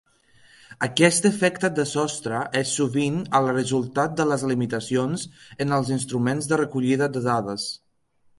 Aquest efecte de sostre és sovint el resultat de les limitacions en els instruments de recollida de dades.